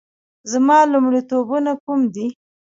زما لومړیتوبونه کوم دي؟